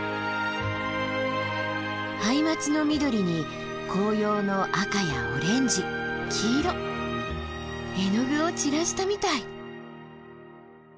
ハイマツの緑に紅葉の赤やオレンジ黄色絵の具を散らしたみたい！